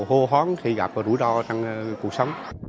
khô hoáng thì gặp rủi ro trong cuộc sống